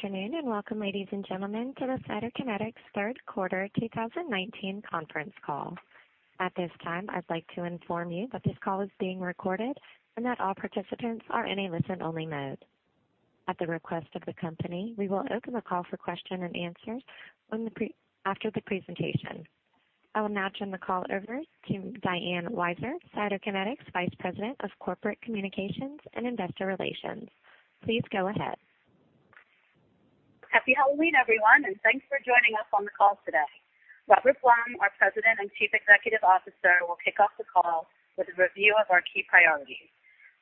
Good afternoon and welcome, ladies and gentlemen, to the Cytokinetics third quarter 2019 conference call. At this time, I'd like to inform you that this call is being recorded and that all participants are in a listen-only mode. At the request of the company, we will open the call for question and answers after the presentation. I will now turn the call over to Diane Weiser, Cytokinetics Vice President of Corporate Communications and Investor Relations. Please go ahead. Happy Halloween, everyone, and thanks for joining us on the call today. Robert Blum, our President and Chief Executive Officer, will kick off the call with a review of our key priorities.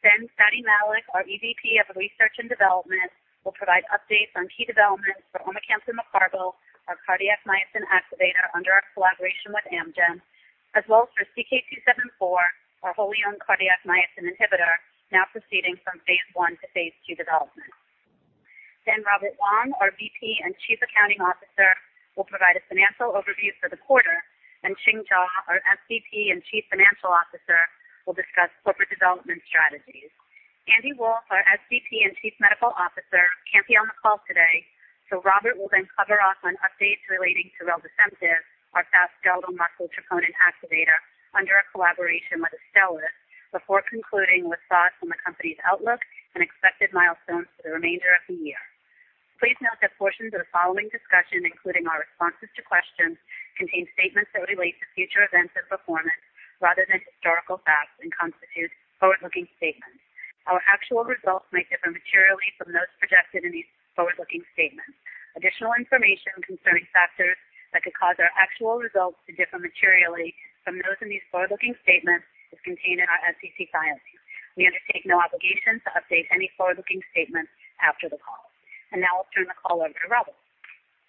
Fady Malik, our EVP of Research and Development, will provide updates on key developments for omecamtiv mecarbil, our cardiac myosin activator under our collaboration with Amgen, as well as for CK-274, our wholly-owned cardiac myosin inhibitor, now proceeding from phase I to phase II development. Robert Wong, our VP and Chief Accounting Officer, will provide a financial overview for the quarter, and Ching Jaw, our SVP and Chief Financial Officer, will discuss corporate development strategies. Andy Wolff, our SVP and Chief Medical Officer, can't be on the call today, so Robert will then cover off on updates relating to reldesemtiv, our fast skeletal muscle troponin activator under a collaboration with Astellas, before concluding with thoughts on the company's outlook and expected milestones for the remainder of the year. Please note that portions of the following discussion, including our responses to questions, contain statements that relate to future events and performance rather than historical facts and constitute forward-looking statements. Our actual results may differ materially from those projected in these forward-looking statements. Additional information concerning factors that could cause our actual results to differ materially from those in these forward-looking statements is contained in our SEC filings. We undertake no obligation to update any forward-looking statements after the call. Now I'll turn the call over to Robert.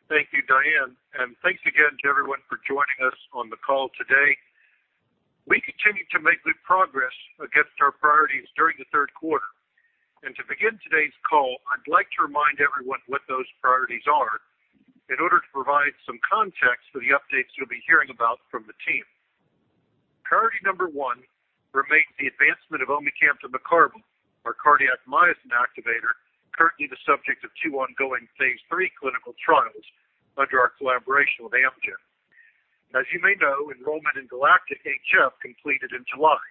Thank you, Diane. Thanks again to everyone for joining us on the call today. We continued to make good progress against our priorities during the third quarter. To begin today's call, I'd like to remind everyone what those priorities are in order to provide some context for the updates you'll be hearing about from the team. Priority number one remains the advancement of omecamtiv mecarbil, our cardiac myosin activator, currently the subject of two ongoing phase III clinical trials under our collaboration with Amgen. As you may know, enrollment in GALACTIC-HF completed in July.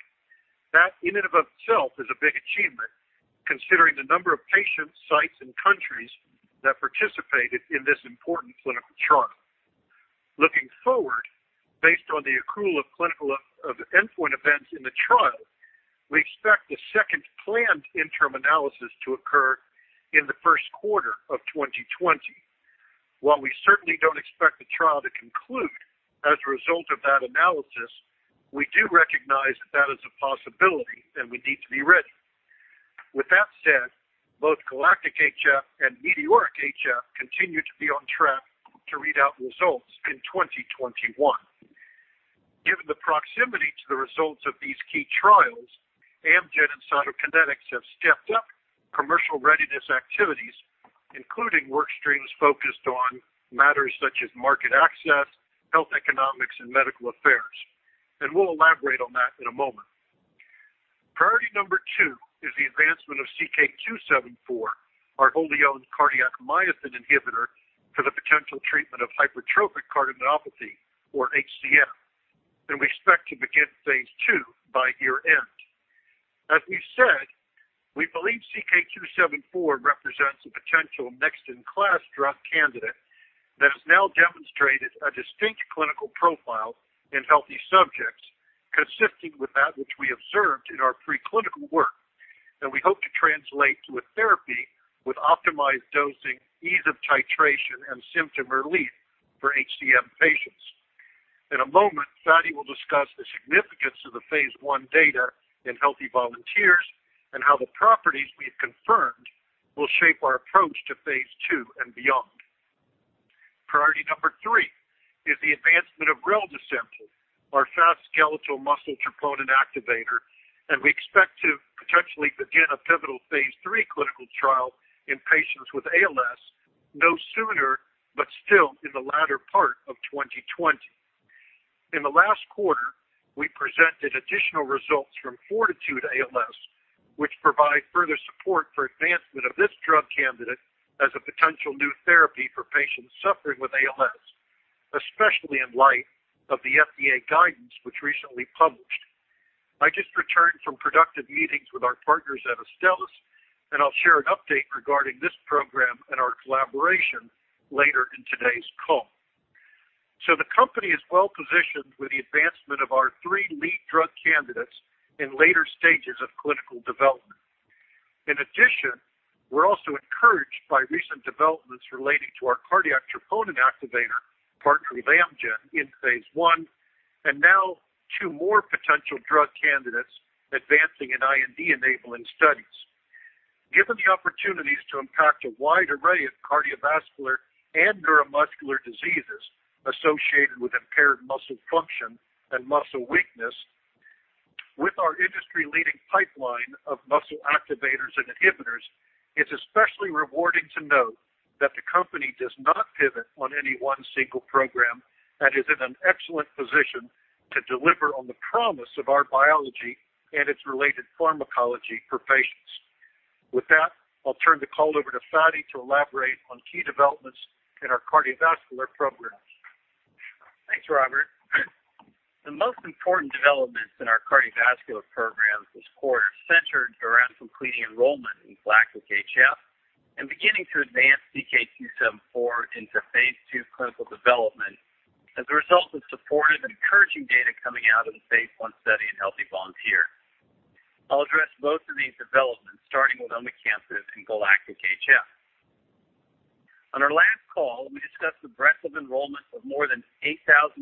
That in and of itself is a big achievement considering the number of patients, sites, and countries that participated in this important clinical trial. Looking forward, based on the accrual of clinical endpoint events in the trial, we expect the second planned interim analysis to occur in the first quarter of 2020. While we certainly don't expect the trial to conclude as a result of that analysis, we do recognize that that is a possibility and we need to be ready. With that said, both GALACTIC-HF and METEORIC-HF continue to be on track to read out results in 2021. Given the proximity to the results of these key trials, Amgen and Cytokinetics have stepped up commercial readiness activities, including work streams focused on matters such as market access, health economics, and medical affairs. We'll elaborate on that in a moment. Priority number two is the advancement of CK-274, our wholly-owned cardiac myosin inhibitor, for the potential treatment of hypertrophic cardiomyopathy or HCM, and we expect to begin phase II by year-end. As we've said, we believe CK-274 represents a potential next-in-class drug candidate that has now demonstrated a distinct clinical profile in healthy subjects consistent with that which we observed in our preclinical work. We hope to translate to a therapy with optimized dosing, ease of titration, and symptom relief for HCM patients. In a moment, Fady will discuss the significance of the phase I data in healthy volunteers and how the properties we've confirmed will shape our approach to phase II and beyond. Priority number 3 is the advancement of reldesemtiv, our fast skeletal muscle troponin activator, and we expect to potentially begin a pivotal phase III clinical trial in patients with ALS no sooner, but still in the latter part of 2020. In the last quarter, we presented additional results from FORTITUDE-ALS, which provide further support for advancement of this drug candidate as a potential new therapy for patients suffering with ALS, especially in light of the FDA guidance which recently published. I just returned from productive meetings with our partners at Astellas. I'll share an update regarding this program and our collaboration later in today's call. The company is well positioned with the advancement of our three lead drug candidates in later stages of clinical development. In addition, we're also encouraged by recent developments relating to our cardiac troponin activator, partnered with Amgen in phase I. Now two more potential drug candidates advancing in IND-enabling studies. Given the opportunities to impact a wide array of cardiovascular and neuromuscular diseases associated with impaired muscle function and muscle weakness with our industry-leading pipeline of muscle activators and inhibitors, it's especially rewarding to note that the company does not pivot on any one single program and is in an excellent position to deliver on the promise of our biology and its related pharmacology for patients. With that, I'll turn the call over to Fady to elaborate on key developments in our cardiovascular programs. Thanks, Robert. The most important developments in our cardiovascular programs this quarter centered around completing enrollment in GALACTIC-HF and beginning to advance CK-274 into phase II clinical development as a result of supportive encouraging data coming out of the phase I study in healthy volunteers. I'll address both of these developments, starting with omecamtiv mecarbil. On our last call, we discussed the breadth of enrollment of more than 8,200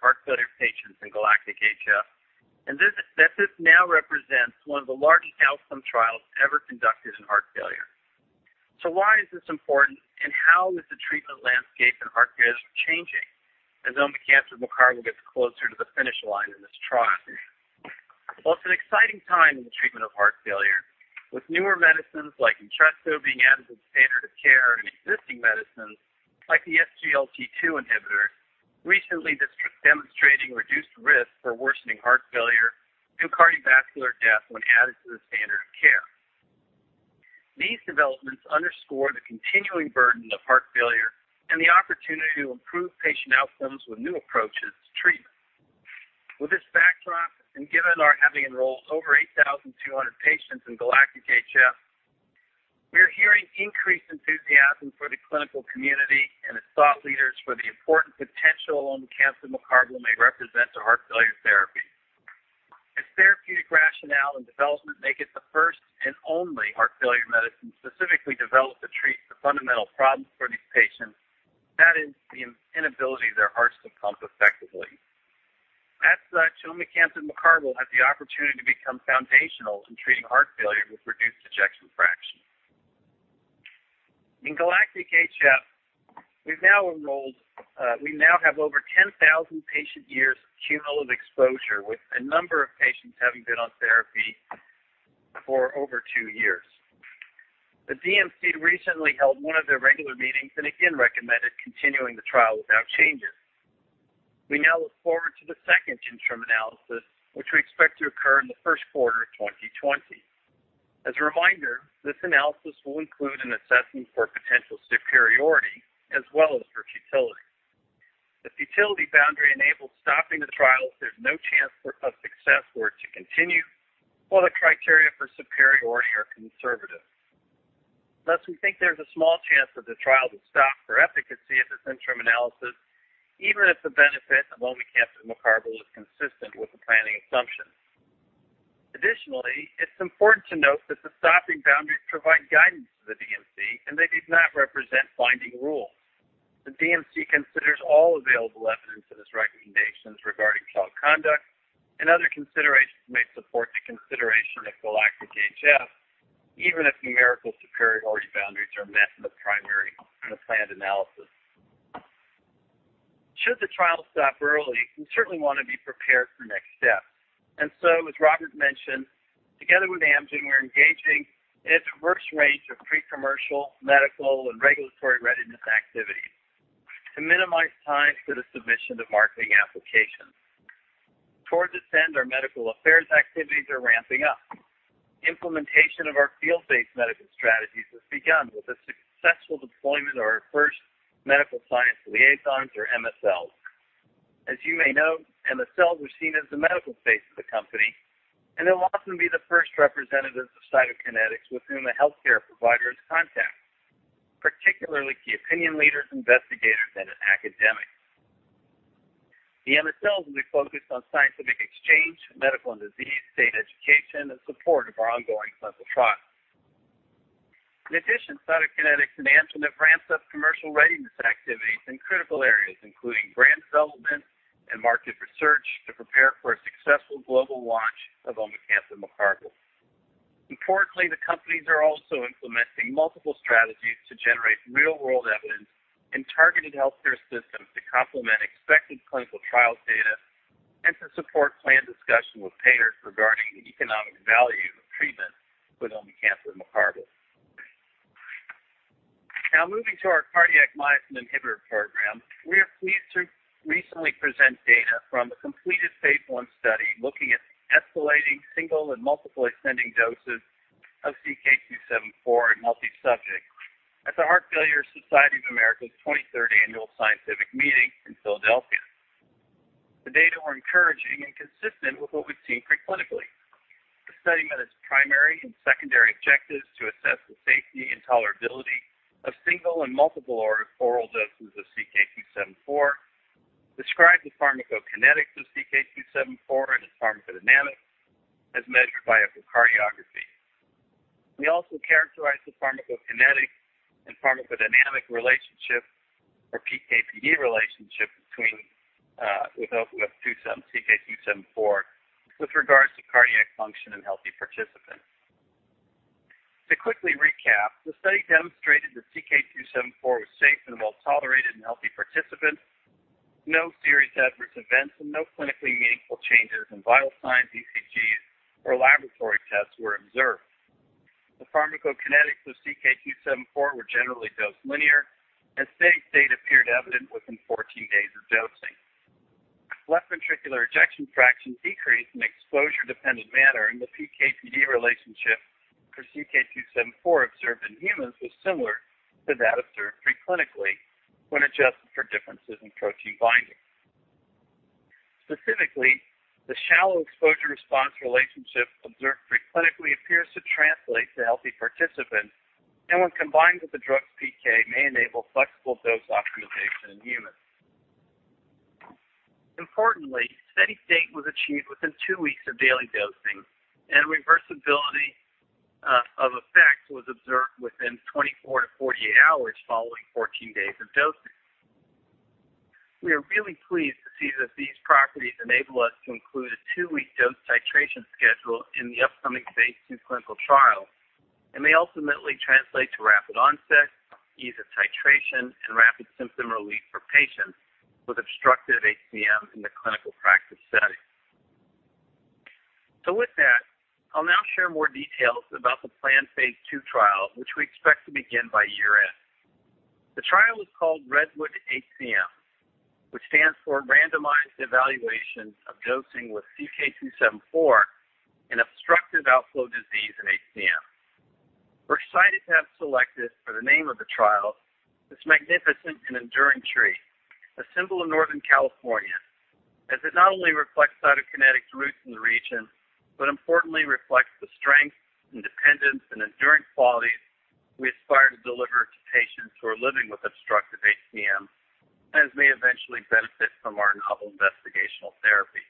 heart failure patients in GALACTIC-HF, and this now represents one of the largest outcome trials ever conducted in heart failure. Why is this important, and how is the treatment landscape in heart failure changing as omecamtiv mecarbil gets closer to the finish line in this trial? It's an exciting time in the treatment of heart failure, with newer medicines like Entresto being added to the standard of care and existing medicines like the SGLT2 inhibitor recently demonstrating reduced risk for worsening heart failure and cardiovascular death when added to the standard of care. These developments underscore the continuing burden of heart failure and the opportunity to improve patient outcomes with new approaches to treatment. With this backdrop, and given our having enrolled over 8,200 patients in GALACTIC-HF, we're hearing increased enthusiasm for the clinical community and its thought leaders for the important potential omecamtiv mecarbil may represent to heart failure therapy. Its therapeutic rationale and development make it the first and only heart failure medicine specifically developed to treat the fundamental problems for these patients. That is the inability of their hearts to pump effectively. As such, omecamtiv mecarbil has the opportunity to become foundational in treating heart failure with reduced ejection fraction. In GALACTIC-HF, we now have over 10,000 patient years of cumulative exposure, with a number of patients having been on therapy for over two years. The DMC recently held one of their regular meetings and again recommended continuing the trial without changes. We now look forward to the second interim analysis, which we expect to occur in the first quarter of 2020. As a reminder, this analysis will include an assessment for potential superiority as well as for futility. The futility boundary enables stopping the trial if there's no chance for success for it to continue, while the criteria for superiority are conservative. Thus, we think there's a small chance that the trial will stop for efficacy at this interim analysis, even if the benefit of omecamtiv mecarbil is consistent with the planning assumption. Additionally, it's important to note that the stopping boundaries provide guidance to the DMC, and they do not represent binding rules. The DMC considers all available evidence in its recommendations regarding trial conduct, and other considerations may support the consideration of GALACTIC-HF, even if numerical superiority boundaries are met in the primary and the planned analysis. Should the trial stop early, we certainly want to be prepared for next steps. As Robert mentioned, together with Amgen, we're engaging in a diverse range of pre-commercial, medical, and regulatory readiness activities to minimize time for the submission to marketing applications. Towards this end, our medical affairs activities are ramping up. Implementation of our field-based medical strategies has begun with the successful deployment of our first medical science liaisons or MSLs. As you may know, MSLs are seen as the medical face of the company and they'll often be the first representatives of Cytokinetics with whom a healthcare provider is contact, particularly key opinion leaders, investigators, and academics. The MSLs will be focused on scientific exchange, medical and disease state education, and support of our ongoing clinical trials. In addition, Cytokinetics and Amgen have ramped up commercial readiness activities in critical areas including brand development and market research to prepare for a successful global launch of omecamtiv mecarbil. Importantly, the companies are also implementing multiple strategies to generate real-world evidence in targeted healthcare systems to complement expected clinical trial data and to support planned discussions with payers regarding the economic value of treatment with omecamtiv mecarbil. Moving to our cardiac myosin inhibitor program. We are pleased to recently present data from the completed phase I study looking at escalating single and multiple ascending doses of CK-274 in healthy subjects at the Heart Failure Society of America's 23rd Annual Scientific Meeting in Philadelphia. The data were encouraging and consistent with what we've seen pre-clinically. The study met its primary and secondary objectives to assess the safety and tolerability of single and multiple oral doses of CK-274, describe the pharmacokinetics of CK-274 and its pharmacodynamics as measured by echocardiography. We also characterized the pharmacokinetic and pharmacodynamic relationship or PK/PD relationship with CK-274 with regards to cardiac function in healthy participants. To quickly recap, the study demonstrated that CK-274 was safe and well-tolerated in healthy participants. No serious adverse events and no clinically meaningful changes in vital signs, ECGs, or laboratory tests were observed. The pharmacokinetics of CK-274 were generally dose linear and steady state appeared evident within 14 days of dosing. Left ventricular ejection fraction decreased in exposure-dependent manner, and the We are really pleased to see that these properties enable us to include a two-week dose titration schedule in the upcoming phase II clinical trial and may ultimately translate to rapid onset, ease of titration, and rapid symptom relief for patients with obstructive HCM in the clinical practice setting. With that, I'll now share more details about the planned phase II trial, which we expect to begin by year end. The trial is called REDWOOD-HCM, which stands for Randomized Evaluation of Dosing with CK-274 in Obstructive Outflow Disease in HCM. We're excited to have selected for the name of the trial, this magnificent and enduring tree, a symbol of Northern California, as it not only reflects Cytokinetics' roots in the region, but importantly reflects the strength, independence, and enduring qualities we aspire to deliver to patients who are living with obstructive HCM, and may eventually benefit from our novel investigational therapy.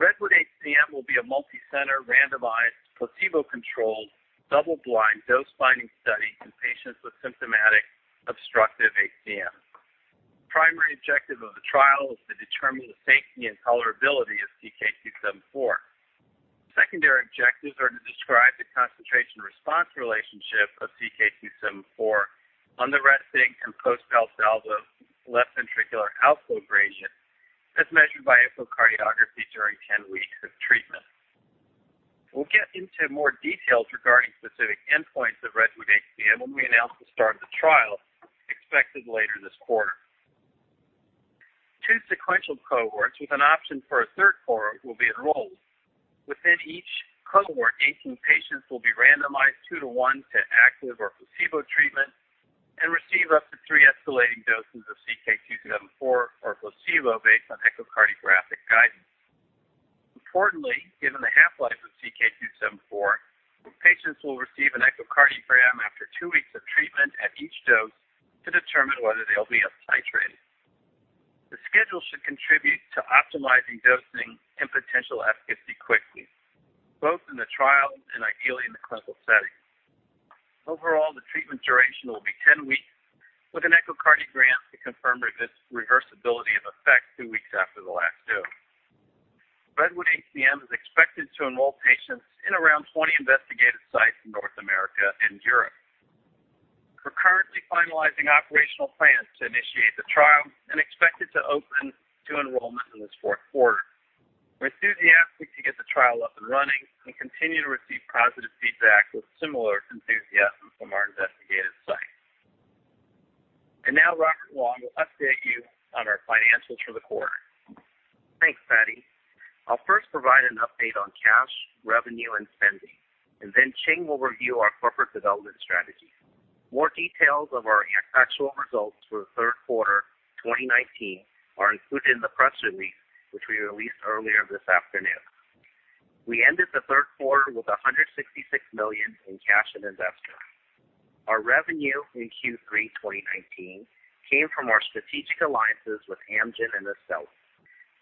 REDWOOD-HCM will be a multicenter, randomized, placebo-controlled, double-blind, dose-finding study in patients with symptomatic obstructive HCM. The primary objective of the trial is to determine the safety and tolerability of CK-274. Secondary objectives are to describe the concentration response relationship of CK-274 on the resting and post-Valsalva left ventricular outflow gradient, as measured by echocardiography during 10 weeks of treatment. We'll get into more details regarding specific endpoints of REDWOOD-HCM when we announce the start of the trial, expected later this quarter. Two sequential cohorts with an option for a third cohort will be enrolled. Within each cohort, 18 patients will be randomized two to one to active or placebo treatment and receive up to three escalating doses of CK-274 or placebo based on echocardiographic guidance. Importantly, given the half-life of CK-274, patients will receive an echocardiogram after two weeks of treatment at each dose to determine whether they'll be uptitrated. The schedule should contribute to optimizing dosing and potential efficacy quickly, both in the trial and ideally in the clinical setting. Overall, the treatment duration will be 10 weeks with an echocardiogram to confirm reversibility of effect two weeks after the last dose. REDWOOD-HCM is expected to enroll patients in around 20 investigative sites in North America and Europe. We're currently finalizing operational plans to initiate the trial and expect it to open to enrollment in this fourth quarter. We're enthusiastic to get the trial up and running and continue to receive positive feedback with similar enthusiasm from our investigative sites. Now Robert Wong will update you on our financials for the quarter. Thanks, Fady. I'll first provide an update on cash, revenue, and spending. Ching will review our corporate development strategy. More details of our actual results for the third quarter 2019 are included in the press release, which we released earlier this afternoon. We ended the third quarter with $166 million in cash and investments. Our revenue in Q3 2019 came from our strategic alliances with Amgen and Astellas.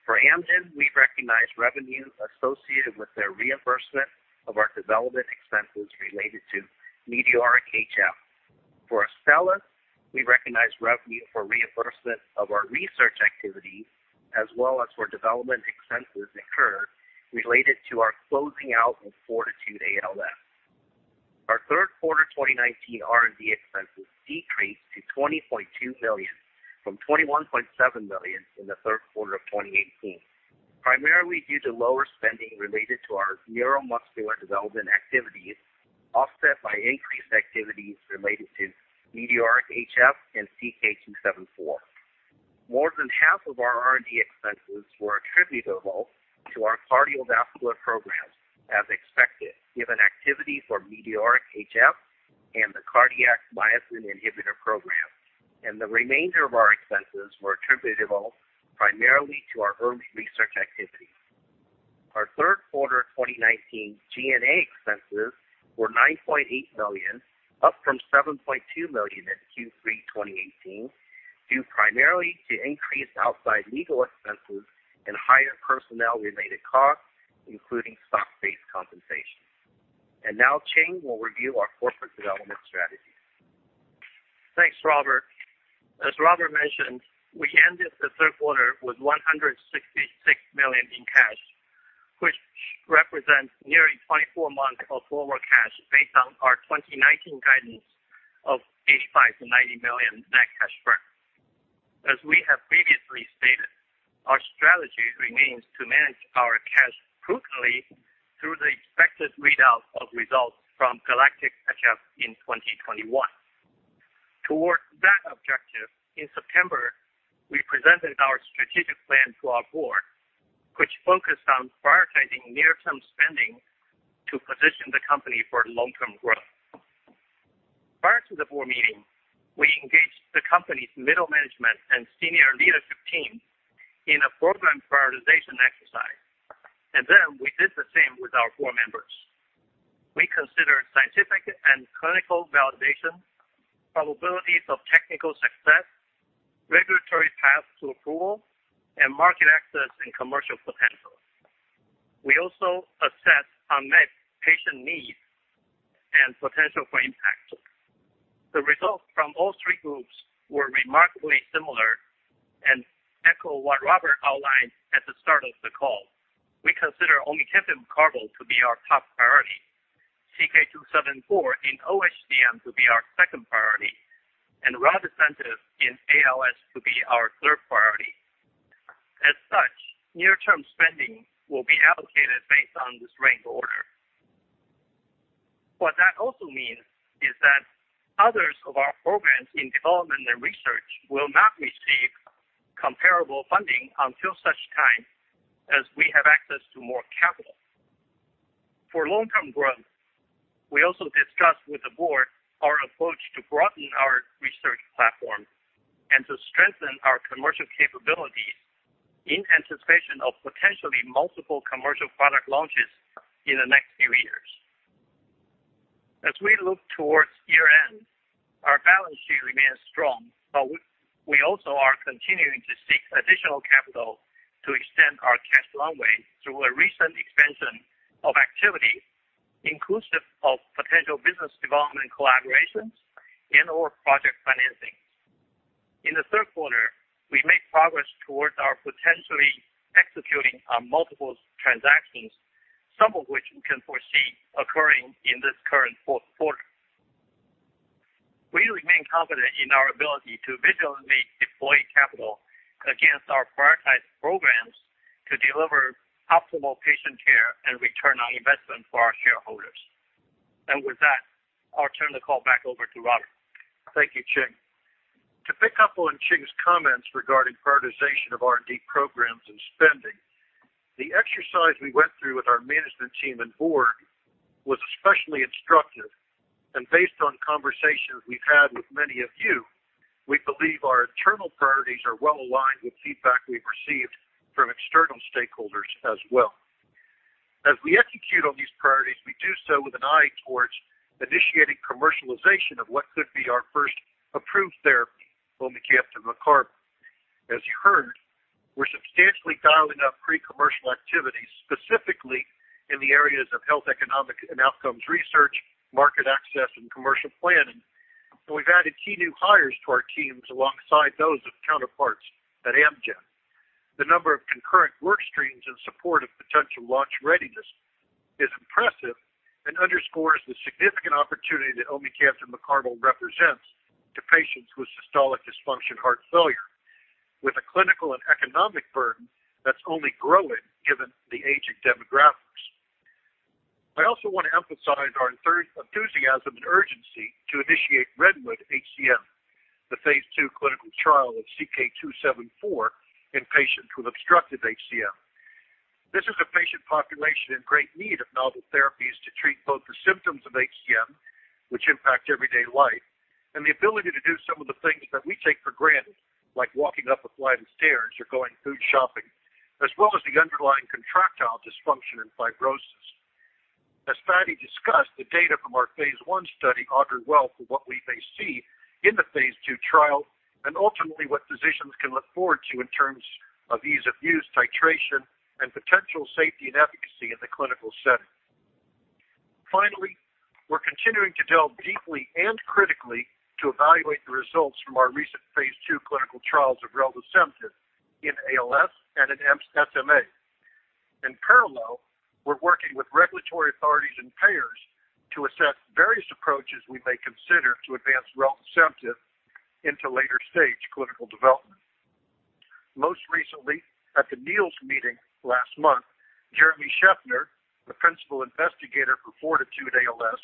For Amgen, we recognized revenue associated with their reimbursement of our development expenses related to METEORIC-HF. For Astellas, we recognized revenue for reimbursement of our research activities, as well as for development expenses incurred related to our closing out of FORTITUDE-ALS. Our third quarter 2019 R&D expenses decreased to $20.2 million from $21.7 million in the third quarter of 2018, primarily due to lower spending related to our neuromuscular development activities, offset by increased activities related to METEORIC-HF and CK-274. More than half of our R&D expenses were attributable to our cardiovascular programs, as expected, given activity for METEORIC-HF and the cardiac myosin inhibitor program. The remainder of our expenses were attributable primarily to our early research activities. Our third quarter 2019 G&A expenses were $9.8 million, up from $7.2 million in Q3 2018, due primarily to increased outside legal expenses and higher personnel-related costs, including stock-based compensation. Now Ching will review our corporate development strategy. Thanks, Robert. As Robert mentioned, we ended the third quarter with $166 million in cash, which represents nearly 24 months of forward cash based on our 2019 guidance of $85 million to $90 million net cash burn. As we have previously stated strategy remains to manage our cash prudently through the expected readout of results from GALACTIC-HF in 2021. Towards that objective, in September, we presented our strategic plan to our board, which focused on prioritizing near-term spending to position the company for long-term growth. Prior to the board meeting, we engaged the company's middle management and senior leadership team in a program prioritization exercise. We did the same with our board members. We considered scientific and clinical validation, probabilities of technical success, regulatory paths to approval, and market access and commercial potential. We also assessed unmet patient needs and potential for impact. The results from all three groups were remarkably similar and echo what Robert outlined at the start of the call. We consider omecamtiv mecarbil to be our top priority, CK-274 in OHCM to be our second priority, and reldesemtiv in ALS to be our third priority. Near-term spending will be allocated based on this ranked order. What that also means is that others of our programs in development and research will not receive comparable funding until such time as we have access to more capital. For long-term growth, we also discussed with the board our approach to broaden our research platform and to strengthen our commercial capabilities in anticipation of potentially multiple commercial product launches in the next few years. As we look towards year-end, our balance sheet remains strong, but we also are continuing to seek additional capital to extend our cash runway through a recent expansion of activity, inclusive of potential business development collaborations and/or project financing. In the third quarter, we made progress towards our potentially executing on multiple transactions, some of which we can foresee occurring in this current fourth quarter. We remain confident in our ability to vigilantly deploy capital against our prioritized programs to deliver optimal patient care and return on investment for our shareholders. With that, I'll turn the call back over to Robert. Thank you, Ching. To pick up on Ching's comments regarding prioritization of R&D programs and spending, the exercise we went through with our management team and board was especially instructive. Based on conversations we've had with many of you, we believe our internal priorities are well-aligned with feedback we've received from external stakeholders as well. As we execute on these priorities, we do so with an eye towards initiating commercialization of what could be our first approved therapy, omecamtiv mecarbil. As you heard, we're substantially dialing up pre-commercial activities, specifically in the areas of health, economic, and outcomes research, market access, and commercial planning. We've added key new hires to our teams alongside those of counterparts at Amgen. The number of concurrent work streams in support of potential launch readiness is impressive and underscores the significant opportunity that omecamtiv mecarbil represents to patients with systolic dysfunction heart failure, with a clinical and economic burden that's only growing given the aging demographics. I also want to emphasize our enthusiasm and urgency to initiate REDWOOD-HCM, the phase II clinical trial of CK-274 in patients with obstructive HCM. This is a patient population in great need of novel therapies to treat both the symptoms of HCM, which impact everyday life, and the ability to do some of the things that we take for granted, like walking up a flight of stairs or going food shopping, as well as the underlying contractile dysfunction and fibrosis. As Fady discussed, the data from our phase I study augured well for what we may see in the phase II trial, and ultimately what physicians can look forward to in terms of ease of use, titration, and potential safety and efficacy in the clinical setting. Finally, we're continuing to delve deeply and critically to evaluate the results from our recent phase II clinical trials of reldesemtiv in ALS and in SMA. In parallel, we're working with regulatory authorities and payers to assess various approaches we may consider to advance reldesemtiv into later-stage clinical development. Most recently, at the NEALS meeting last month, Jeremy Shefner, the principal investigator for FORTITUDE-ALS,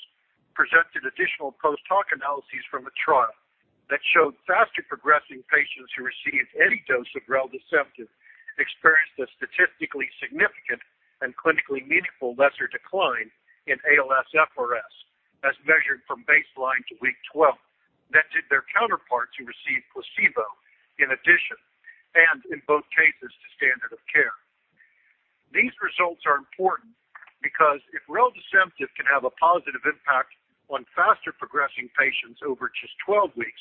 presented additional post-hoc analyses from a trial that showed faster progressing patients who received any dose of reldesemtiv experienced a statistically significant and clinically meaningful lesser decline in ALSFRS as measured from baseline to week 12 than did their counterparts who received placebo in addition, and in both cases, to standard of care. These results are important because if reldesemtiv can have a positive impact on faster progressing patients over just 12 weeks,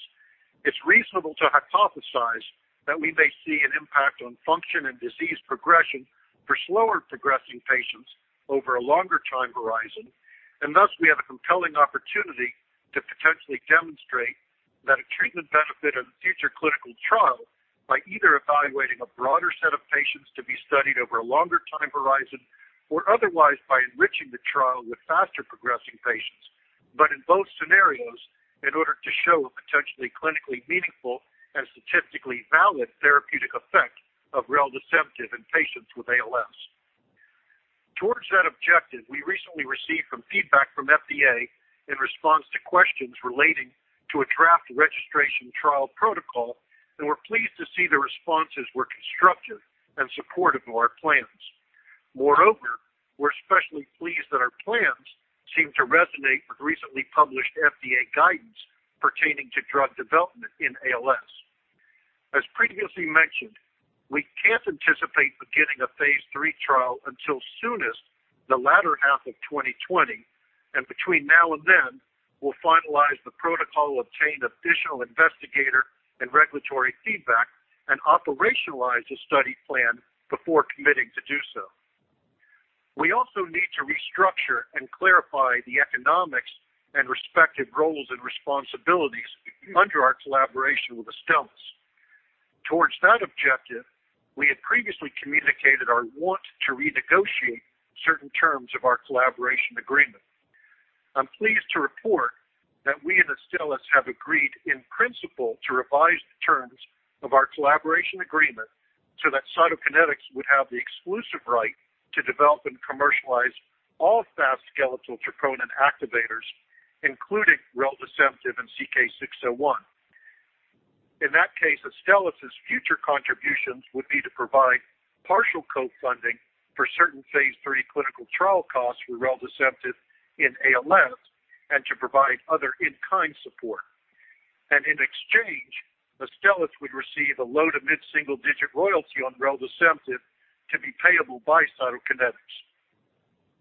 it's reasonable to hypothesize that we may see an impact on function and disease progression for slower progressing patients over a longer time horizon. Thus, we have a compelling opportunity to potentially demonstrate that a treatment benefit in a future clinical trial by either evaluating a broader set of patients to be studied over a longer time horizon or otherwise by enriching the trial with faster progressing patients. In both scenarios, in order to show a potentially clinically meaningful and statistically valid therapeutic effect of reldesemtiv in patients with ALS. Towards that objective, we recently received some feedback from FDA in response to questions relating to a draft registration trial protocol, and we're pleased to see the responses were constructive and supportive of our plans. We're especially pleased that our plans seem to resonate with recently published FDA guidance pertaining to drug development in ALS. As previously mentioned, we can't anticipate beginning a phase III trial until soonest the latter half of 2020, and between now and then, we'll finalize the protocol, obtain additional investigator and regulatory feedback, and operationalize the study plan before committing to do so. We also need to restructure and clarify the economics and respective roles and responsibilities under our collaboration with Astellas. Towards that objective, we had previously communicated our want to renegotiate certain terms of our collaboration agreement. I'm pleased to report that we and Astellas have agreed in principle to revise the terms of our collaboration agreement so that Cytokinetics would have the exclusive right to develop and commercialize all fast skeletal troponin activators, including reldesemtiv and CK 601. In that case, Astellas' future contributions would be to provide partial co-funding for certain phase III clinical trial costs for reldesemtiv in ALS and to provide other in-kind support. In exchange, Astellas would receive a low to mid-single-digit royalty on reldesemtiv to be payable by Cytokinetics.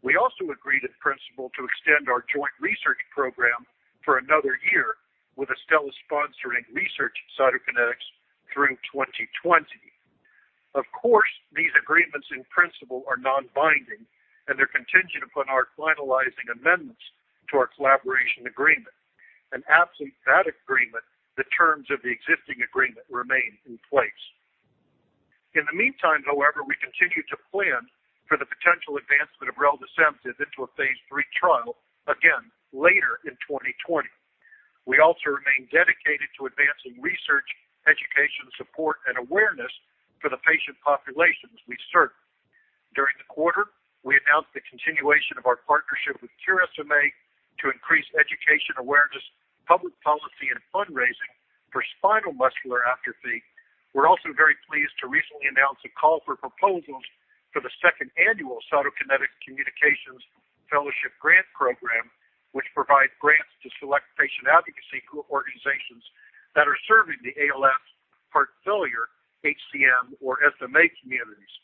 We also agreed in principle to extend our joint research program for another year, with Astellas sponsoring research in Cytokinetics through 2020. Of course, these agreements in principle are non-binding, and they're contingent upon our finalizing amendments to our collaboration agreement. Absent that agreement, the terms of the existing agreement remain in place. In the meantime, however, we continue to plan for the potential advancement of reldesemtiv into a phase III trial, again, later in 2020. We also remain dedicated to advancing research, education, support, and awareness for the patient populations we serve. During the quarter, we announced the continuation of our partnership with Cure SMA to increase education awareness, public policy, and fundraising for spinal muscular atrophy. We're also very pleased to recently announce a call for proposals for the second annual Cytokinetics Communications Fellowship Grant Program, which provides grants to select patient advocacy organizations that are serving the ALS, heart failure, HCM, or SMA communities.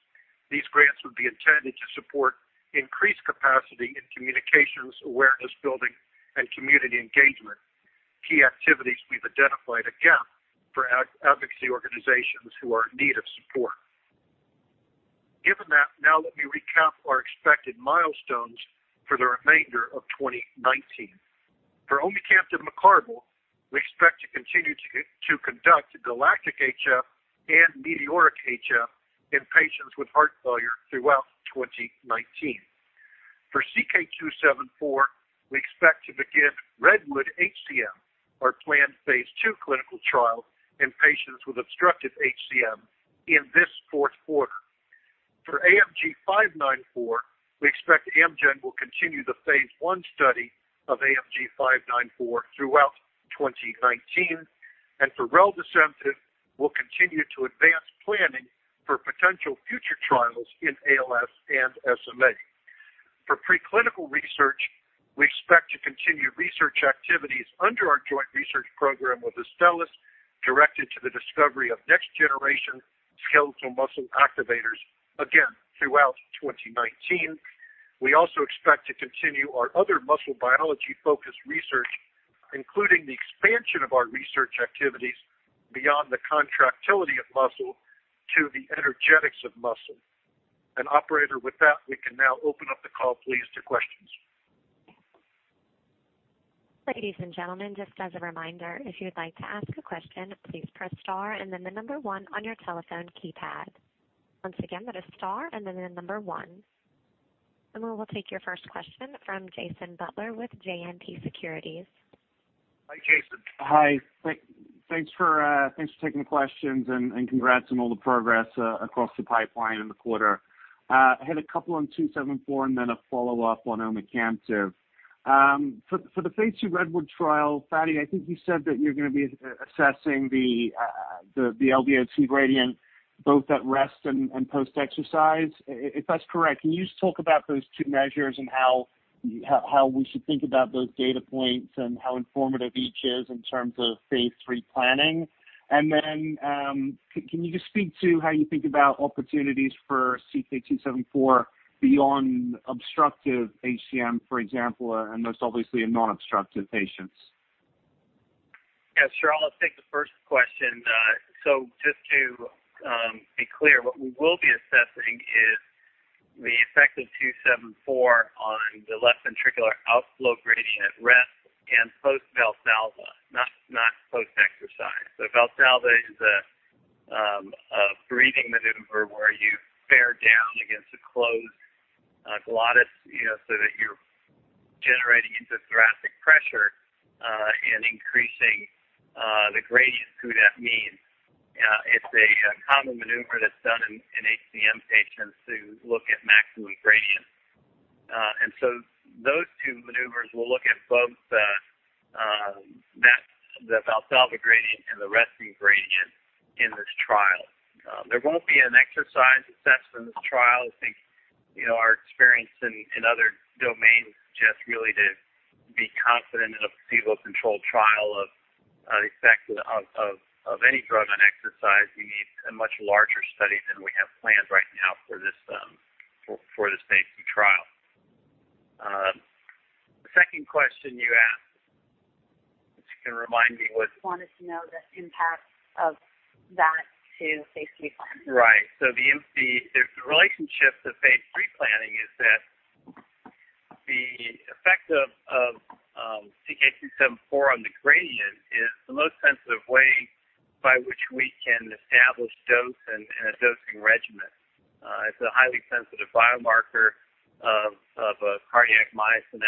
These grants would be intended to support increased capacity in communications, awareness building, and community engagement, key activities we've identified a gap for advocacy organizations who are in need of support. Given that, now let me recap our expected milestones for the remainder of 2019. For omecamtiv mecarbil, we expect to continue to conduct GALACTIC-HF and METEORIC-HF in patients with heart failure throughout 2019. For CK-274, we expect to begin REDWOOD-HCM, our planned phase II clinical trial in patients with obstructive HCM in this fourth quarter. For AMG 594, we expect Amgen will continue the phase I study of AMG 594 throughout 2019. For reldesemtiv, we'll continue to advance planning for potential future trials in ALS and SMA. For preclinical research, we expect to continue research activities under our joint research program with Astellas, directed to the discovery of next-generation skeletal muscle activators, again, throughout 2019. We also expect to continue our other muscle biology-focused research, including the expansion of our research activities beyond the contractility of muscle to the energetics of muscle. Operator, with that, we can now open up the call, please, to questions. Ladies and gentlemen, just as a reminder, if you'd like to ask a question, please press star and then the number 1 on your telephone keypad. Once again, that is star and then the number 1. We will take your first question from Jason Butler with JMP Securities. Hi, Jason. Hi. Thanks for taking the questions and congrats on all the progress across the pipeline in the quarter. I had a couple on CK-274 and then a follow-up on omecamtiv. For the phase II REDWOOD trial, Fady, I think you said that you're going to be assessing the LVOT gradient both at rest and post-exercise. If that's correct, can you just talk about those two measures and how we should think about those data points and how informative each is in terms of phase III planning? Can you just speak to how you think about opportunities for CK-274 beyond obstructive HCM, for example, and most obviously in non-obstructive patients? Yeah, sure. I'll take the first question. Just to be clear, what we will be assessing is the effect of CK-274 on the left ventricular outflow gradient at rest and post-Valsalva, not post-exercise. Valsalva is a A breathing maneuver where you bear down against a closed glottis so that you're generating into thoracic pressure and increasing the gradient through that means. It's a common maneuver that's done in HCM patients to look at maximum gradient. Those two maneuvers will look at both the Valsalva gradient and the resting gradient in this trial. There won't be an exercise assessment in this trial. I think our experience in other domains suggest really to be confident in a placebo-controlled trial of effect of any drug on exercise, you need a much larger study than we have planned right now for this phase II trial. The second question you asked, if you can remind me what. Wanted to know the impact of that to phase III planning? Right. The relationship to phase III planning is that the effect of CK-274 on the gradient is the most sensitive way by which we can establish dose and a dosing regimen. It's a highly sensitive biomarker of a cardiac myosin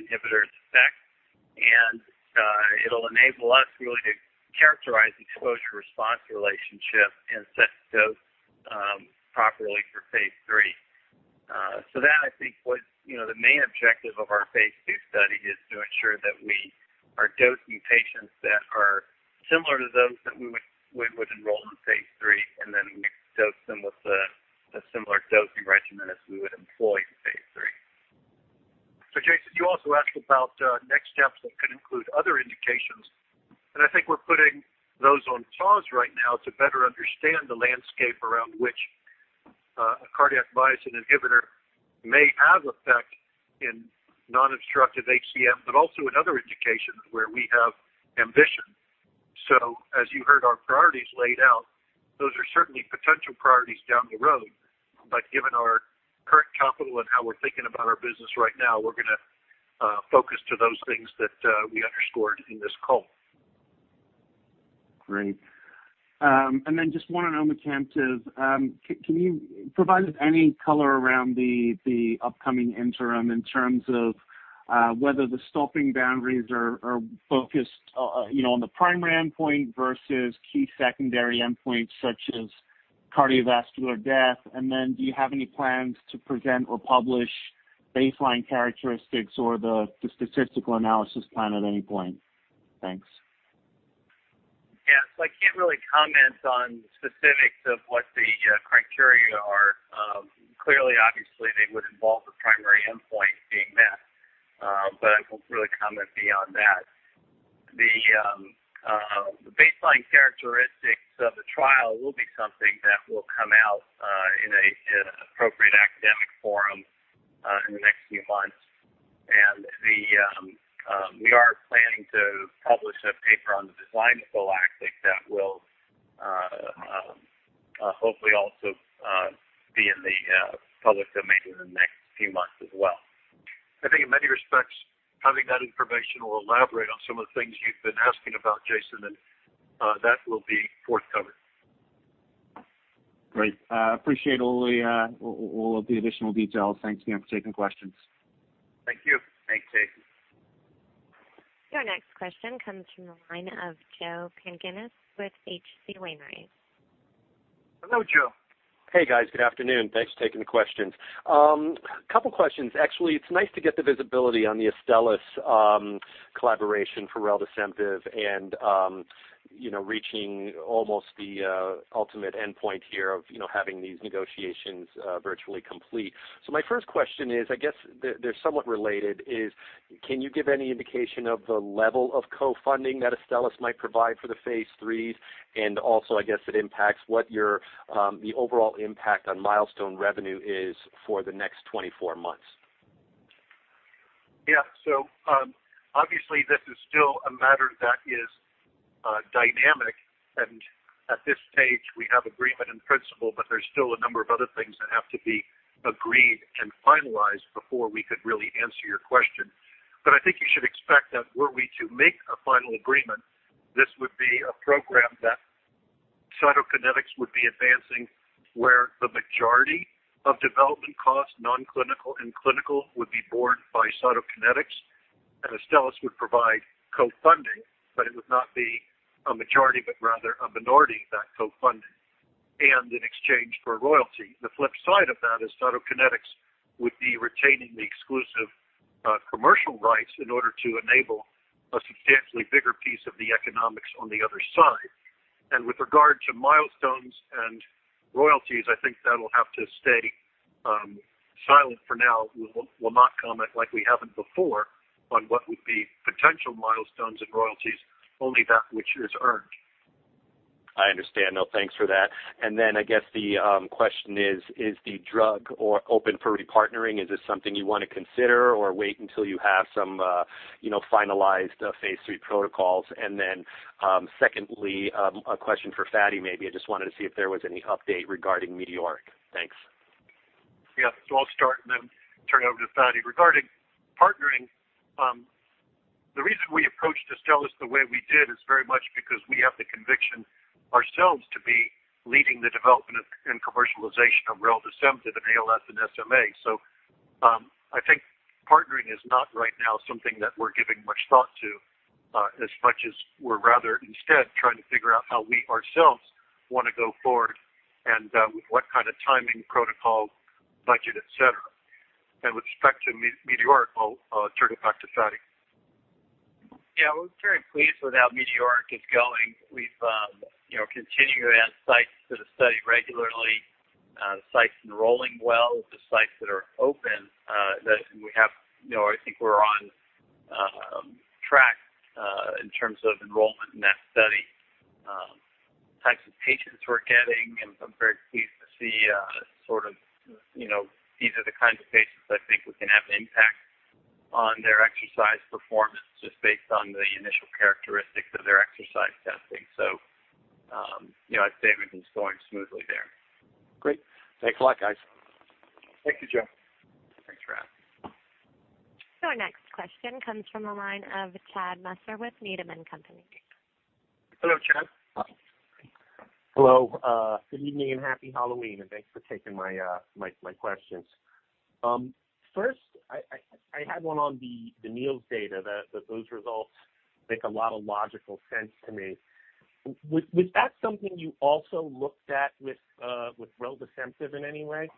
inhibitor's effect. It'll enable us really to characterize exposure-response relationship and set dose properly for phase III. I think what the main objective of our phase II study is to ensure that we are dosing patients that are similar to those that we would enroll in phase III, and then we dose them with a similar dosing regimen as we would employ in phase III. Jason, you also asked about next steps that could include other indications, and I think we're putting those on pause right now to better understand the landscape around which a cardiac myosin inhibitor may have effect in non-obstructive HCM, but also in other indications where we have ambition. As you heard our priorities laid out, those are certainly potential priorities down the road. Given our current capital and how we're thinking about our business right now, we're going to focus to those things that we underscored in this call. Great. Just one on omecamtiv. Can you provide us any color around the upcoming interim in terms of whether the stopping boundaries are focused on the primary endpoint versus key secondary endpoints such as cardiovascular death? Do you have any plans to present or publish baseline characteristics or the statistical analysis plan at any point? Thanks. Yeah. I can't really comment on specifics of what the criteria are. Clearly, obviously, they would involve the primary endpoint being met. I won't really comment beyond that. The baseline characteristics of the trial will be something that will come out in an appropriate academic forum in the next few months. We are planning to publish a paper on the design of GALACTIC that will hopefully also be in the public domain in the next few months as well. I think in many respects, having that information will elaborate on some of the things you've been asking about, Jason, and that will be forthcoming. Great. Appreciate all of the additional details. Thanks again for taking questions. Thank you. Thanks, Jason. Your next question comes from the line of Joseph Pantginis with H.C. Wainwright. Hello, Joe. Hey, guys. Good afternoon. Thanks for taking the questions. Couple questions, actually. It's nice to get the visibility on the Astellas collaboration for reldesemtiv and reaching almost the ultimate endpoint here of having these negotiations virtually complete. My first question is, I guess they're somewhat related, is can you give any indication of the level of co-funding that Astellas might provide for the phase III? Also, I guess it impacts what the overall impact on milestone revenue is for the next 24 months. Yeah. Obviously this is still a matter that is dynamic and at this stage we have agreement in principle, but there's still a number of other things that have to be agreed and finalized before we could really answer your question. I think you should expect that were we to make a final agreement, this would be a program that Cytokinetics would be advancing where the majority of development costs, non-clinical and clinical, would be borne by Cytokinetics and Astellas would provide co-funding, but it would not be a majority, but rather a minority of that co-funding and in exchange for royalty. The flip side of that is Cytokinetics would be retaining the exclusive commercial rights in order to enable a substantially bigger piece of the economics on the other side. With regard to milestones and royalties, I think that'll have to stay silent for now. We will not comment, like we haven't before, on what would be potential milestones and royalties, only that which is earned. I understand. No, thanks for that. I guess the question is the drug open for repartnering? Is this something you want to consider or wait until you have some finalized phase III protocols? Secondly, a question for Fady maybe. I just wanted to see if there was any update regarding METEORIC-HF. Thanks. Yeah. I'll start and then turn it over to Fady. Regarding partnering approach, this tell us the way we did is very much because we have the conviction ourselves to be leading the development and commercialization of reldesemtiv in ALS and SMA. I think partnering is not right now something that we're giving much thought to, as much as we're rather instead trying to figure out how we ourselves want to go forward and with what kind of timing protocol, budget, et cetera. With respect to Meteoric, I'll turn it back to Fady. Yeah. We're very pleased with how METEORIC is going. We've continued to add sites to the study regularly, sites enrolling well, the sites that are open, I think we're on track in terms of enrollment in that study. Types of patients we're getting, and I'm very pleased to see these are the kinds of patients I think we can have an impact on their exercise performance just based on the initial characteristics of their exercise testing. I'd say everything's going smoothly there. Great. Thanks a lot, guys. Thank you, Joe. Thanks, Ralph. Our next question comes from the line of Chad Messer with Needham & Company. Hello, Chad. Hello. Good evening and happy Halloween, and thanks for taking my questions. First, I had one on the NEALS data that those results make a lot of logical sense to me. Was that something you also looked at with reldesemtiv in any way?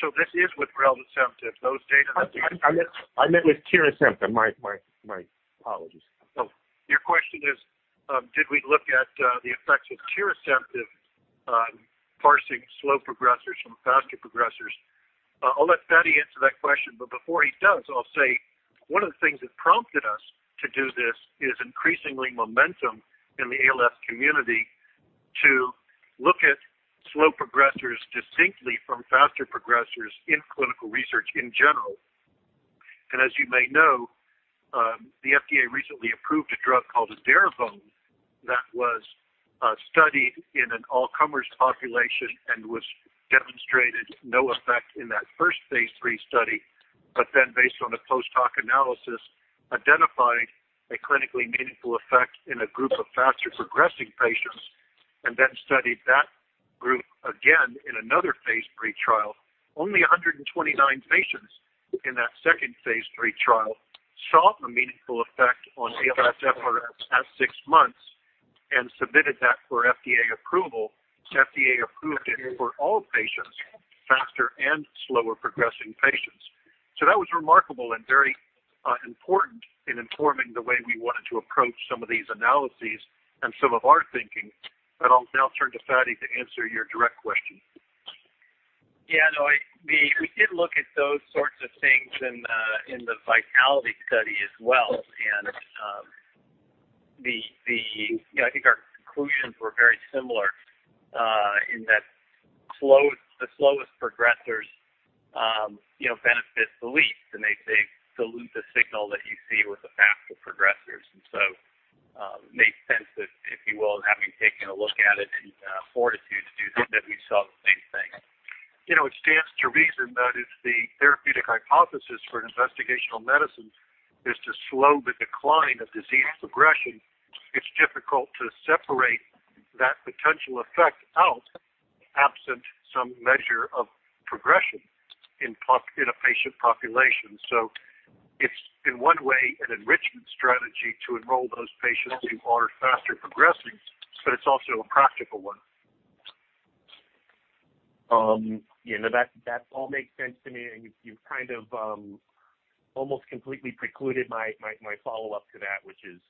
This is with reldesemtiv, those data. I meant with tirasemtiv. My apologies. Your question is, did we look at the effects with tirasemtiv, parsing slow progressors from faster progressors? I'll let Fady answer that question, but before he does, I'll say one of the things that prompted us to do this is increasingly momentum in the ALS community to look at slow progressors distinctly from faster progressors in clinical research in general. As you may know, the FDA recently approved a drug called edaravone that was studied in an all-comers population and which demonstrated no effect in that first phase III study, but then based on a post-hoc analysis, identified a clinically meaningful effect in a group of faster progressing patients, and then studied that group again in another phase III trial. Only 129 patients in that second phase III trial saw a meaningful effect on ALSFRS at six months and submitted that for FDA approval. The FDA approved it for all patients, faster and slower progressing patients. That was remarkable and very important in informing the way we wanted to approach some of these analyses and some of our thinking. I'll now turn to Fady to answer your direct question. Yeah, no, we did look at those sorts of things in the VITALITY-ALS study as well, and I think our conclusions were very similar, in that the slowest progressors benefit the least, and they dilute the signal that you see with the faster progressors. It makes sense if you will, in having taken a look at it in FORTITUDE to do that, we saw the same thing. It stands to reason that if the therapeutic hypothesis for an investigational medicine is to slow the decline of disease progression, it's difficult to separate that potential effect out absent some measure of progression in a patient population. It's in one way an enrichment strategy to enroll those patients who are faster progressing, but it's also a practical one. That all makes sense to me. You've kind of almost completely precluded my follow-up to that, which is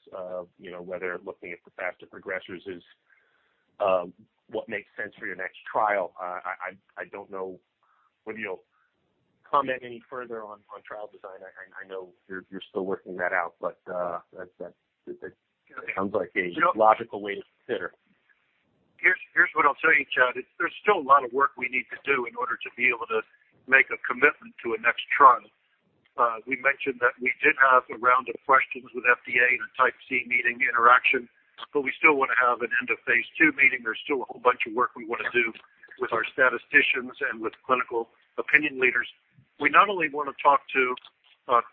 whether looking at the faster progressors is what makes sense for your next trial. I don't know whether you'll comment any further on trial design. I know you're still working that out. That sounds like a logical way to consider. Here's what I'll tell you, Chad. There's still a lot of work we need to do in order to be able to make a commitment to a next trial. We mentioned that we did have a round of questions with FDA in a type C meeting interaction, but we still want to have an end-of-phase II meeting. There's still a whole bunch of work we want to do with our statisticians and with clinical opinion leaders. We not only want to talk to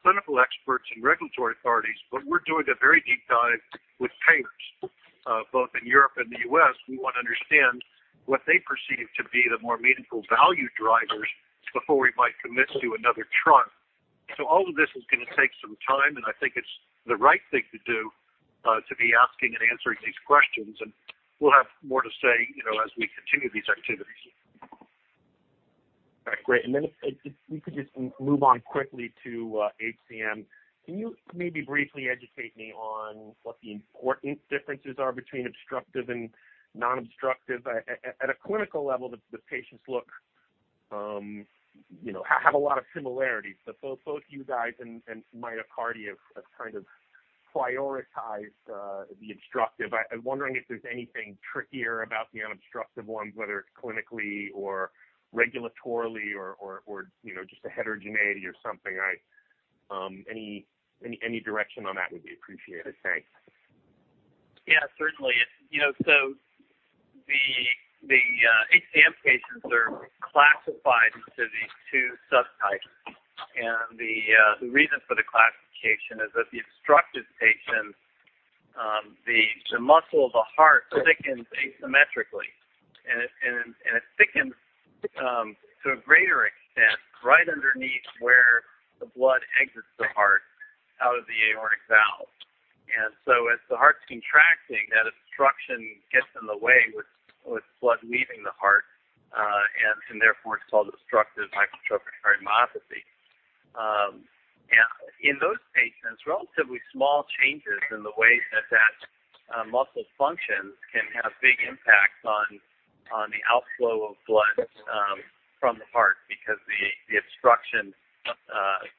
clinical experts and regulatory authorities, but we're doing a very deep dive with payers, both in Europe and the U.S. We want to understand what they perceive to be the more meaningful value drivers before we might commit to another trial. All of this is going to take some time, and I think it's the right thing to do, to be asking and answering these questions. We'll have more to say as we continue these activities. All right, great. If we could just move on quickly to HCM. Can you maybe briefly educate me on what the important differences are between obstructive and non-obstructive? At a clinical level, the patients have a lot of similarities. Both you guys and MyoKardia have kind of prioritized the obstructive. I'm wondering if there's anything trickier about the non-obstructive ones, whether it's clinically or regulatorily or just a heterogeneity or something. Any direction on that would be appreciated. Thanks. Yeah, certainly. The classified into these two subtypes. The reason for the classification is that the obstructive patients, the muscle of the heart thickens asymmetrically. It thickens to a greater extent right underneath where the blood exits the heart out of the aortic valve. As the heart's contracting, that obstruction gets in the way with blood leaving the heart, and therefore it's called obstructive hypertrophic cardiomyopathy. In those patients, relatively small changes in the way that that muscle functions can have big impacts on the outflow of blood from the heart because the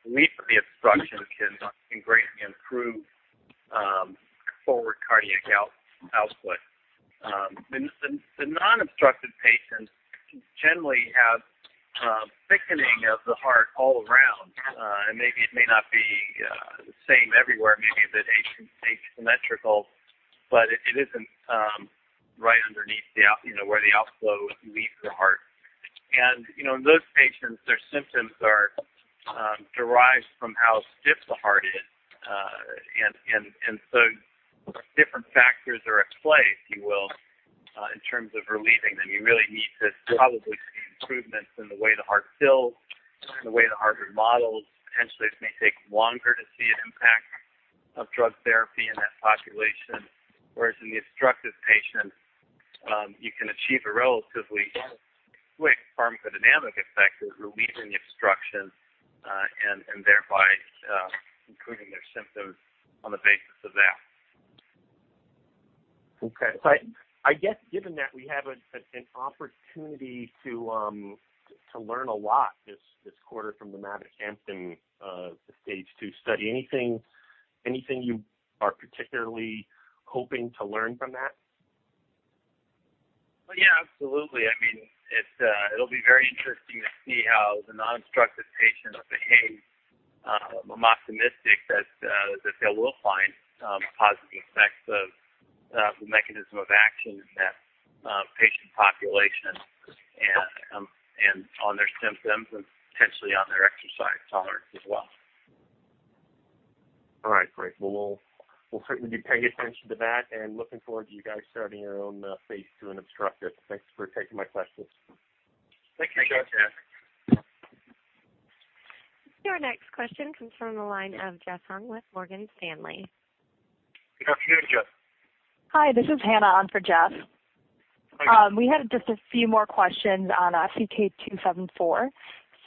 relief of the obstruction can greatly improve forward cardiac output. The non-obstructive patients generally have thickening of the heart all around. Maybe it may not be the same everywhere, maybe the thickness is symmetrical, but it isn't right underneath where the outflow leaves the heart. In those patients, their symptoms are derived from how stiff the heart is. Different factors are at play, if you will, in terms of relieving them. You really need to probably see improvements in the way the heart fills, in the way the heart remodels. Potentially, it may take longer to see an impact of drug therapy in that population, whereas in the obstructive patient, you can achieve a relatively quick pharmacodynamic effect of relieving obstruction, and thereby improving their symptoms on the basis of that. Okay. I guess given that we have an opportunity to learn a lot this quarter from the mavacamten, the Stage 2 study, anything you are particularly hoping to learn from that? Yeah, absolutely. It'll be very interesting to see how the non-obstructive patients behave. I'm optimistic that they will find positive effects of the mechanism of action in that patient population, and on their symptoms, and potentially on their exercise tolerance as well. All right. Great. Well, we'll certainly be paying attention to that and looking forward to you guys starting your own Phase II in obstructive. Thanks for taking my questions. Thank you. Thanks, Jeff. Your next question comes from the line of Jeff Hung with Morgan Stanley. Good afternoon, Jeff. Hi, this is Hannah on for Jeff. Hi. We had just a few more questions on CK-274.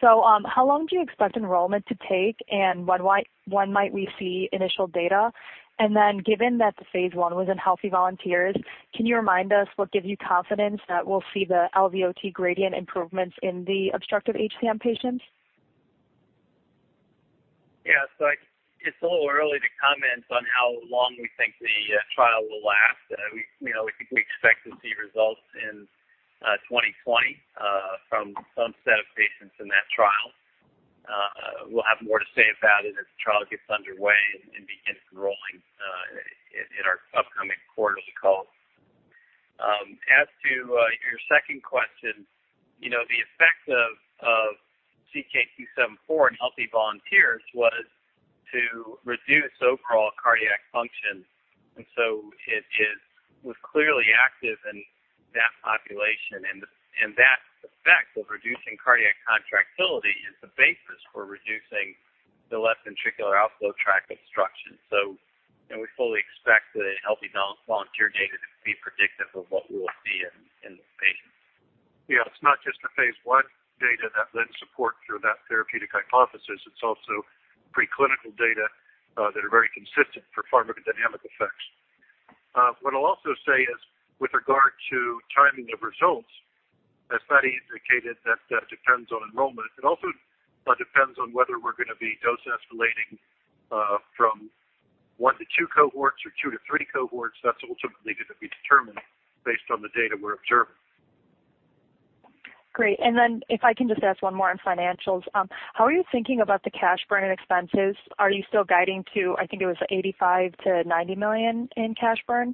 How long do you expect enrollment to take, and when might we see initial data? Given that the phase I was in healthy volunteers, can you remind us what gives you confidence that we'll see the LVOT gradient improvements in the obstructive HCM patients? Yeah. It's a little early to comment on how long we think the trial will last. We expect to see results in 2020 from some set of patients in that trial. We'll have more to say about it as the trial gets underway and begins enrolling in our upcoming quarterly call. As to your second question, the effects of CK-274 in healthy volunteers was to reduce overall cardiac function. It was clearly active in that population. That effect of reducing cardiac contractility is the basis for reducing the left ventricular outflow tract obstruction. We fully expect the healthy volunteer data to be predictive of what we will see in the patients. It's not just the phase I data that then support through that therapeutic hypothesis, it's also pre-clinical data that are very consistent for pharmacodynamic effects. What I'll also say is with regard to timing of results, as Fady indicated, that depends on enrollment. It also depends on whether we're going to be dose-escalating from 1 to 2 cohorts or 2 to 3 cohorts. That's ultimately going to be determined based on the data we're observing. Great. If I can just ask one more on financials. How are you thinking about the cash burn and expenses? Are you still guiding to, I think it was $85 million-$90 million in cash burn?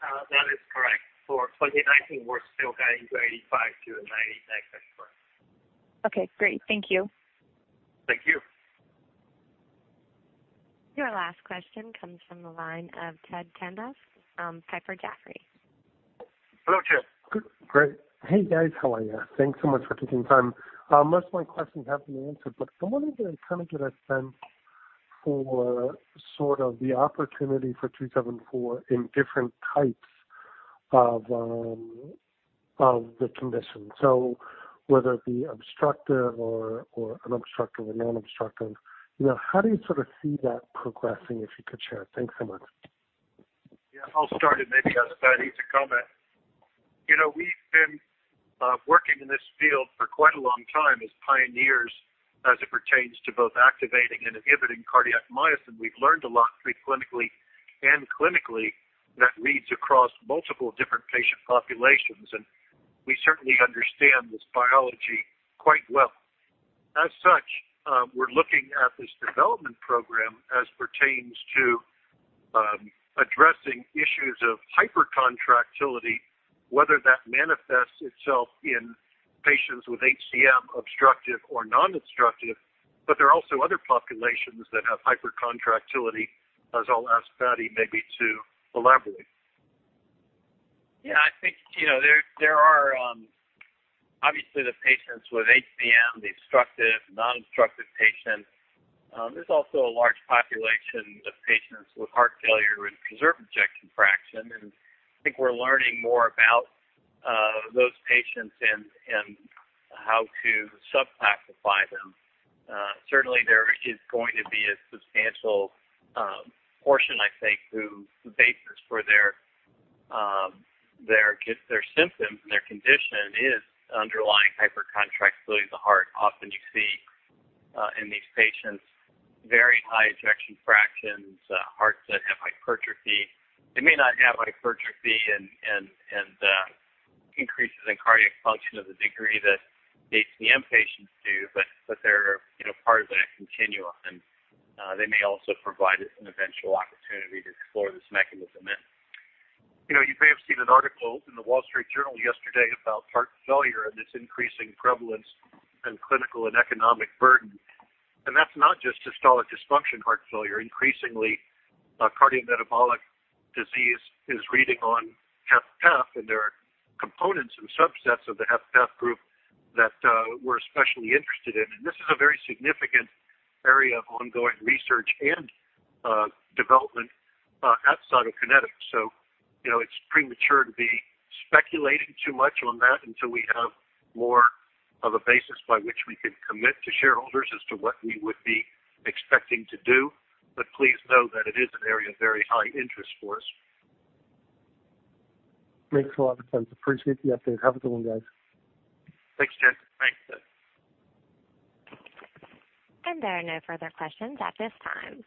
That is correct. For 2019, we're still guiding to $85-$90 in cash burn. Okay, great. Thank you. Thank you. Your last question comes from the line of Ted Tenthoff, Piper Jaffray. Hello, Ted. Great. Hey, guys. How are you? Thanks so much for taking the time. Most of my questions have been answered, but I'm wondering, I'm trying to get a sense for sort of the opportunity for CK-274 in different types of the condition. Whether it be obstructive or unobstructive or non-obstructive. How do you sort of see that progressing, if you could share? Thanks so much. I'll start maybe ask Fady to comment. We've been working in this field for quite a long time as pioneers as it pertains to both activating and inhibiting cardiac myosin. We've learned a lot pre-clinically and clinically that reads across multiple different patient populations, and we certainly understand this biology quite well. As such, we're looking at this development program as pertains to addressing issues of hypercontractility, whether that manifests itself in patients with HCM, obstructive or non-obstructive, there are also other populations that have hypercontractility, as I'll ask Fady maybe to elaborate. Yeah, I think, there are obviously the patients with HCM, the obstructive, non-obstructive patients. There's also a large population of patients with heart failure with preserved ejection fraction, and I think we're learning more about those patients and how to subclassify them. Certainly there is going to be a substantial portion, I think, who the basis for their symptoms and their condition is underlying hypercontractility of the heart. Often you see in these patients very high ejection fractions, hearts that have hypertrophy. They may not have hypertrophy and increases in cardiac function of the degree that HCM patients do, but they're part of that continuum, and they may also provide us an eventual opportunity to explore this mechanism in. You may have seen an article in The Wall Street Journal yesterday about heart failure and its increasing prevalence in clinical and economic burden. That's not just systolic dysfunction heart failure. Increasingly, cardiometabolic disease is bearing on HFpEF, and there are components and subsets of the HFpEF group that we're especially interested in. This is a very significant area of ongoing research and development at Cytokinetics. It's premature to be speculating too much on that until we have more of a basis by which we can commit to shareholders as to what we would be expecting to do. Please know that it is an area of very high interest for us. Makes a lot of sense. Appreciate the update. Have a good one, guys. Thanks, Ted. Thanks, Ted. There are no further questions at this time.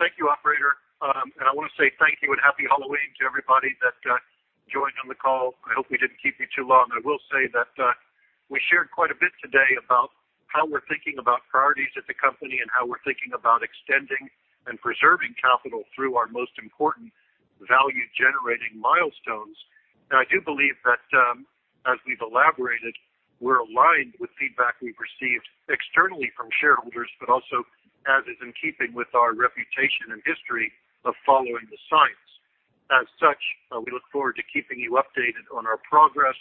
Thank you, operator. I want to say thank you and Happy Halloween to everybody that joined on the call. I hope we didn't keep you too long. I will say that we shared quite a bit today about how we're thinking about priorities at the company and how we're thinking about extending and preserving capital through our most important value-generating milestones. I do believe that, as we've elaborated, we're aligned with feedback we've received externally from shareholders, but also as is in keeping with our reputation and history of following the science. As such, we look forward to keeping you updated on our progress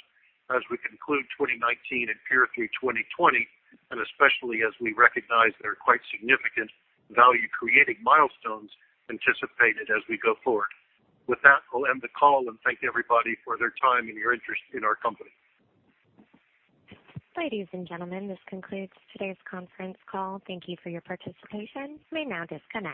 as we conclude 2019 and peer through 2020, and especially as we recognize there are quite significant value-creating milestones anticipated as we go forward. With that, I'll end the call and thank everybody for their time and your interest in our company. Ladies and gentlemen, this concludes today's conference call. Thank you for your participation. You may now disconnect.